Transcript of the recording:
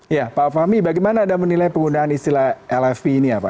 ya pak fahmi bagaimana anda menilai penggunaan istilah lfp ini apa